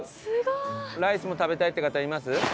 ライスも食べたいって方います？